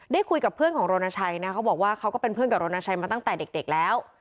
คุยกับเพื่อนของรณชัยนะเขาบอกว่าเขาก็เป็นเพื่อนกับรณชัยมาตั้งแต่เด็กแล้ว